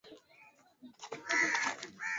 kwa misimu miwili alishinda magoli thelathini na mbili